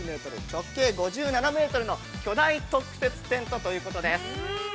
直径５７メートルの巨大特別テントということです。